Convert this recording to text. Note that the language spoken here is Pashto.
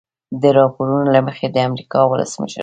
د راپورونو له مخې د امریکا ولسمشر